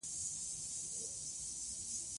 د حرکت وکړه، کومک او توان لوی رب ج درکوي.